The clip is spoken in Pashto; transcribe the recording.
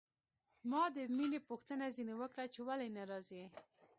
ما د مينې پوښتنه ځنې وکړه چې ولې نه راځي.